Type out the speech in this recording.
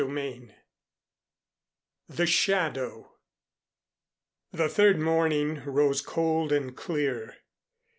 VI THE SHADOW The third morning rose cold and clear.